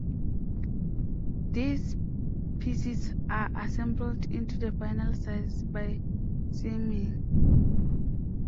These pieces are assembled into the final size by seaming.